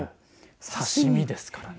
刺身ですからね。